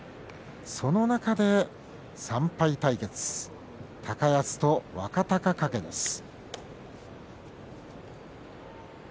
その中で３敗対決高安と若隆景です。